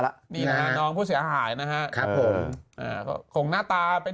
แล้วนี่นะฮะน้องผู้เสียหายนะฮะครับผมอ่าก็คงหน้าตาเป็น